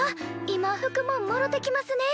今ふくもんもろてきますね。